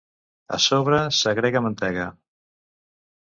A sobre s'agrega mantega.